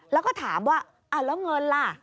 แล้วก็ถามว่าแล้วเงินล่ะ